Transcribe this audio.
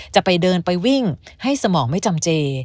จะไปเดินไปวิ่งให้สมองไม่จำเจ